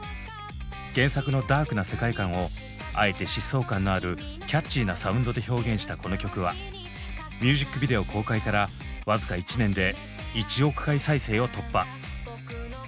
原作のダークな世界観をあえて疾走感のあるキャッチーなサウンドで表現したこの曲はミュージックビデオ公開から僅か１年で１億回再生を突破。